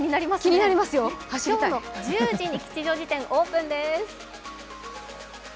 今日の１０時に吉祥寺店、オープンです。